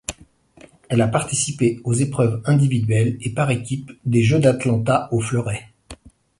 Elle a participé aux épreuves individuelle et par équipes des Jeux d'Atlanta, au fleuret.